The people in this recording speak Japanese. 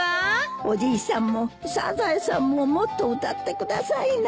おじいさんもサザエさんももっと歌ってくださいな。